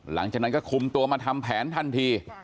หลังจากนั้นก็คุมตัวมาทำแผนทันที